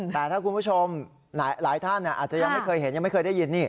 แต่ถ้าคุณผู้ชมหลายท่านอาจจะยังไม่เคยเห็นยังไม่เคยได้ยินนี่